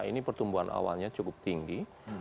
ini pertumbuhan awalnya cukup tinggi